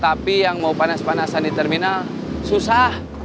tapi yang mau panas panasan di terminal susah